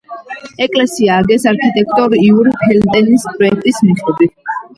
ეკლესია ააგეს არქიტექტორ იური ფელტენის პროექტის მიხედვით.